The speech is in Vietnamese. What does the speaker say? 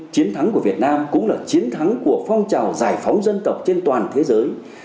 chiến thắng của việt nam cũng là chiến thắng của phong trào giải phóng dân tộc trên toàn thế giới